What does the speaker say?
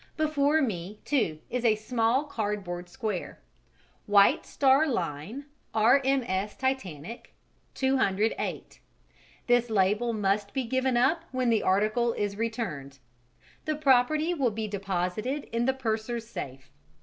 Before me, too, is a small cardboard square: "White Star Line. R.M.S. Titanic. 208. This label must be given up when the article is returned. The property will be deposited in the Purser's safe.